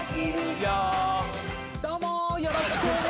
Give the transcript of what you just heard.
よろしくお願いします。